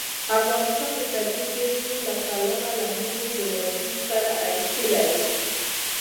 افغانستان د طبیعي زیرمې له پلوه له نورو هېوادونو سره اړیکې لري.